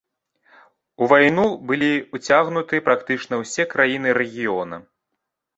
У вайну былі ўцягнуты практычна ўсе краіны рэгіёна.